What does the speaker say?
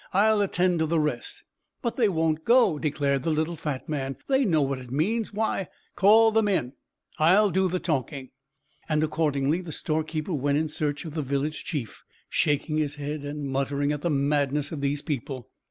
I'll attend to the rest." "But they won't go," declared the little fat man. "They know what it means. Why " "Call them in. I'll do the talking." And accordingly the storekeeper went in search of the village chief, shaking his head and muttering at the madness of these people.